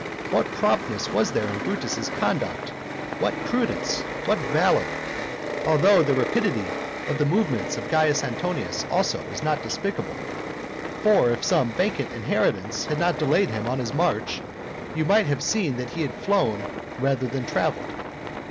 What promptness was there in Brutus's conduct! what prudence! what valour! Although the rapidity of the movement of Caius Antonius also is not despicable; for if some vacant inheritance had not delayed him on his march, you might have said that he had flown rather than travelled.